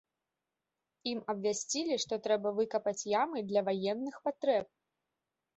Ім абвясцілі, што трэба выкапаць ямы для ваенных патрэб.